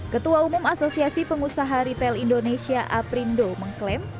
ketua umum asosiasi pengusaha retail indonesia aprindo mengklaim